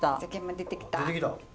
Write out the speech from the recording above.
出てきた！